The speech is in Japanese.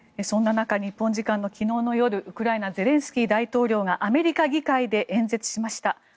そんな中、日本時間の昨日の夜ウクライナゼレンスキー大統領がアメリカ議会で演説しました。